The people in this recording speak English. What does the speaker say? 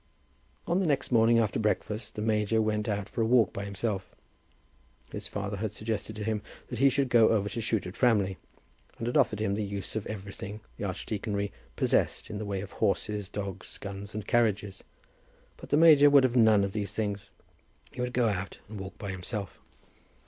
On the next morning after breakfast the major went out for a walk by himself. His father had suggested to him that he should go over to shoot at Framley, and had offered him the use of everything the archdeaconry possessed in the way of horses, dogs, guns and carriages. But the major would have none of these things. He would go out and walk by himself.